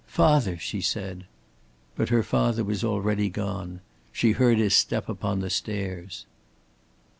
"Father!" she said. But her father was already gone. She heard his step upon the stairs.